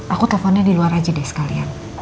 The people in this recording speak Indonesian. aku telponnya di luar aja deh sekalian